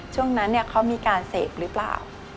ช่วงนั้นเขามีการเสพหรือเปล่า